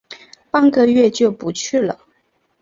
半个月就不去了